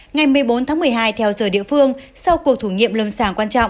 ngày một mươi bốn tháng một mươi hai theo giờ địa phương sau cuộc thử nghiệm lâm sàng quan trọng